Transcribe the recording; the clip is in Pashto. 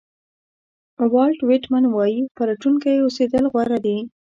والټ وېټمن وایي پلټونکی اوسېدل غوره دي.